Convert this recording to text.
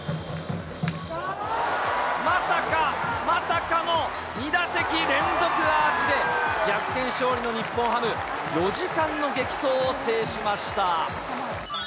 まさか、まさかの２打席連続アーチで、逆転勝利の日本ハム、４時間の激闘を制しました。